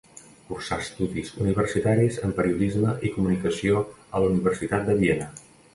Cursà estudis universitaris en periodisme i comunicació a la Universitat de Viena.